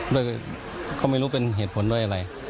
ด้วยก็ไม่รู้เป็นเหตุผลด้วยอะไร